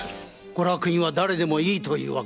ご落胤は誰でもいいというわけですか。